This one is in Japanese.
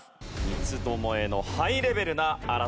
三つどもえのハイレベルな争いです。